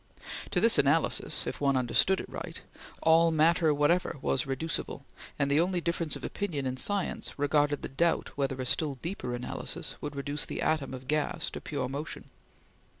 To this analysis if one understood it right all matter whatever was reducible, and the only difference of opinion in science regarded the doubt whether a still deeper analysis would reduce the atom of gas to pure motion.